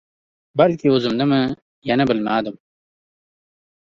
Balki o‘zimnimi, yana bilmadim…